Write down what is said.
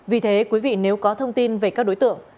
vì thế quý vị nếu có thông tin về các đối tượng